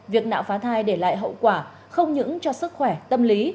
việc nạo phá thai để lại hậu quả không những cho sức khỏe tâm lý